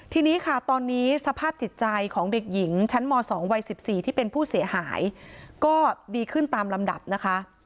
ทีนี้ค่ะตอนนี้สภาพจิตใจของเด็กหญิงชั้นม๒วัย๑๔ที่เป็นผู้เสียหายก็ดีขึ้นตามลำดับนะคะ